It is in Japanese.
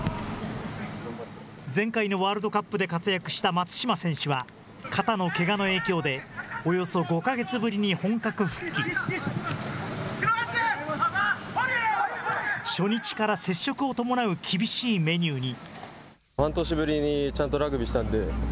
前回のワールドカップで活躍した松島選手は、肩のけがの影響で、およそ５か月ぶりに本格復帰。初日から接触を伴う厳しいメニューに。